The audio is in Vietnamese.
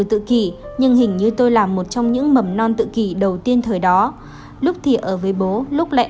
tự kỷ nhưng hình như tôi là một trong những mầm non tự kỷ đầu tiên thời đó lúc thì ở với bố lúc lại